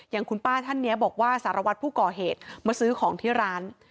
อย่างคุณป้าท่านนี้บอกว่าสารวัตรผู้ก่อเหตุมาซื้อของที่ร้าน